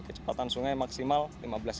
kecepatan sungai maksimal lima belas km per jam